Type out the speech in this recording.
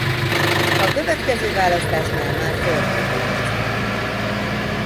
A következő választásnál már fordult a kocka.